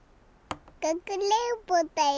かくれんぼだよ！